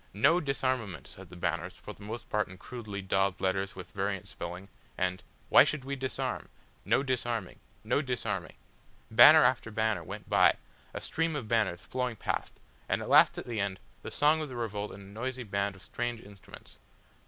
"No disarmament," said the banners, for the most part in crudely daubed letters and with variant spelling, and "Why should we disarm?" "No disarming." "No disarming." Banner after banner went by, a stream of banners flowing past, and at last at the end, the song of the revolt and a noisy band of strange instruments.